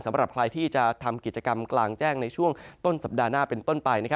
สำหรับใครที่จะทำกิจกรรมกลางแจ้งในช่วงต้นสัปดาห์หน้าเป็นต้นไป